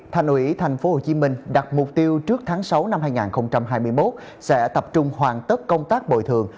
thành phố hồ chí minh đặt mục tiêu trước tháng sáu năm hai nghìn hai mươi một sẽ tập trung hoàn tất công tác bồi thường